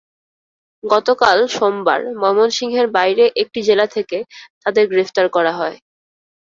গতকাল সোমবার ময়মনসিংহের বাইরের একটি জেলা থেকে তাদের গ্রেপ্তার করা হয়।